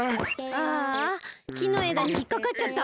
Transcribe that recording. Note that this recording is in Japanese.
ああきのえだにひっかかっちゃった。